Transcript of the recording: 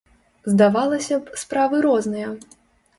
Здавалася б, справы розныя.